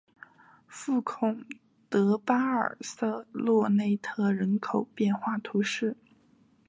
福孔德巴尔瑟洛内特人口变化图示